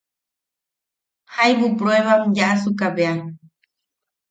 Jaibu pruebam yaʼasuka bea.